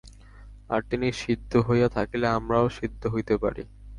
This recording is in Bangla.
আর তিনি সিদ্ধ হইয়া থাকিলে আমরাও সিদ্ধ হইতে পারি।